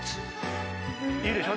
いいでしょ？